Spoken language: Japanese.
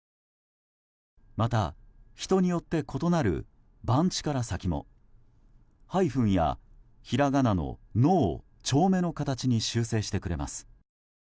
また、人によって異なる番地から先もハイフンやひらがなの「の」を丁目の形に修正してくれます。